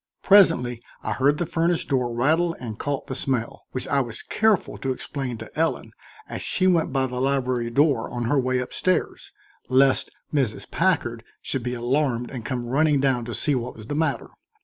Presently I heard the furnace door rattle and caught the smell, which I was careful to explain to Ellen as she went by the library door on her way up stairs, lest Mrs. Packard should be alarmed and come running down to see what was the matter.